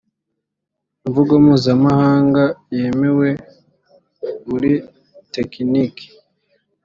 imvugo mpuzamahanga yemewe muri tekiniki